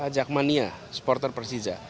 jakmania supporter persija